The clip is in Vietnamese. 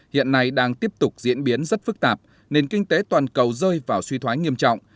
hiện nay đang tiếp tục diễn biến rất phức tạp nền kinh tế toàn cầu rơi vào suy thoái nghiêm trọng